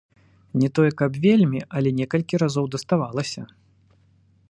Не тое, каб вельмі, але некалькі разоў даставалася.